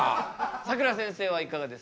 さくらせんせいはいかがですか？